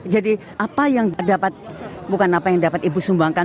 jadi apa yang dapat bukan apa yang dapat ibu sumbangkan